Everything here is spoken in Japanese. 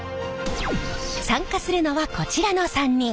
参加するのはこちらの３人。